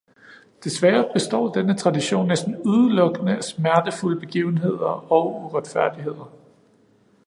Desværre består denne tradition næsten udelukkende af smertefulde begivenheder og uretfærdigheder.